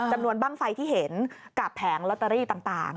บ้างไฟที่เห็นกับแผงลอตเตอรี่ต่าง